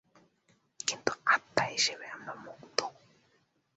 কিন্তু আত্মা হিসাবে আমরা মুক্ত।